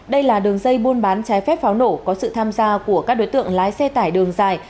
đây là đường dây buôn bán trái phép pháo nổ có sự tham gia của các đối tượng lái xe tải đường dài